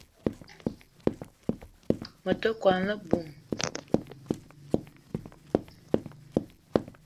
Me te kwuan a-bum